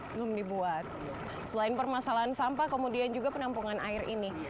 belum dibuat selain permasalahan sampah kemudian juga penampungan air ini